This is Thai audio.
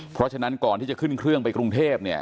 เพราะฉะนั้นก่อนที่จะขึ้นเครื่องไปกรุงเทพเนี่ย